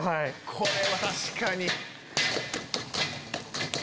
これは確かに。